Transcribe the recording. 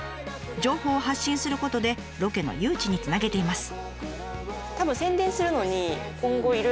情報を発信することでロケの誘致につなげています。